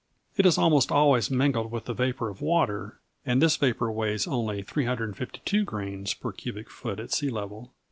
It is almost always mingled with the vapor of water, and this vapor weighs only 352 grains per cubic foot at sea level.